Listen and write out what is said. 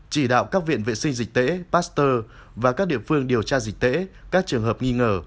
chỉ đạo các viện vệ sinh dịch tễ pasteur và các địa phương điều tra dịch tễ các trường hợp nghi ngờ